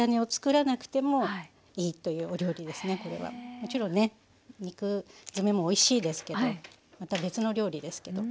もちろんね肉詰めもおいしいですけどまた別の料理ですけど。